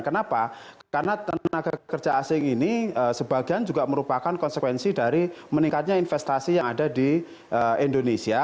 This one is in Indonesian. kenapa karena tenaga kerja asing ini sebagian juga merupakan konsekuensi dari meningkatnya investasi yang ada di indonesia